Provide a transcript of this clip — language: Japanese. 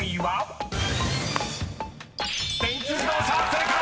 ［正解！